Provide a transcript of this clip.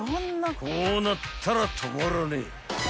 ［こうなったら止まらねえ］